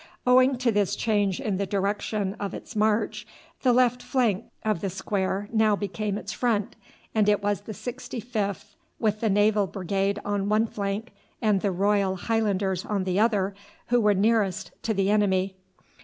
Owing to this change in the direction of its march the left flank of the square now became its front, and it was the 65th with the Naval Brigade on one flank and the Royal Highlanders on the other, who were nearest to the enemy.